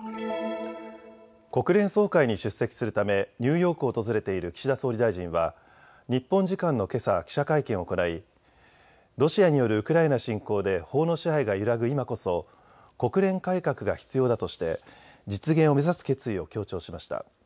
国連総会に出席するためニューヨークを訪れている岸田総理大臣は日本時間のけさ、記者会見を行いロシアによるウクライナ侵攻で法の支配が揺らぐ今こそ国連改革が必要だとして実現を目指す決意を強調しました。